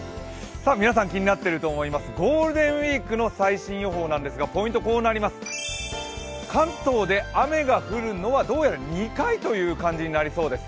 皆さん気になっていると思います、ゴールデンウイークの最新予報なんですがポイントは関東で雨が降るのはどうやら２回という感じになりそうです。